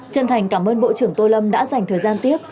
chân thành cảm ơn bộ trưởng tô lâm đã dành thời gian tiếp